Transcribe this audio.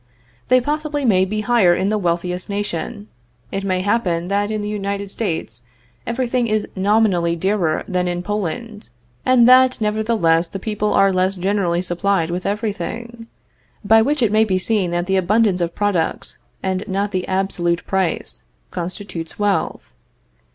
They possibly may be higher in the wealthiest nation. It may happen that in the United States everything is nominally dearer than in Poland, and that, nevertheless, the people there are less generally supplied with everything; by which it may be seen that the abundance of products, and not the absolute price, constitutes wealth.